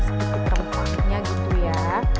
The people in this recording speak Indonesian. sedikit rempahnya gitu ya